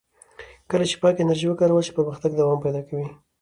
کله چې پاکه انرژي وکارول شي، پرمختګ دوام پیدا کوي.